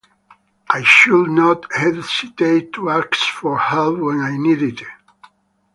I should not hesitate to ask for help when I need it.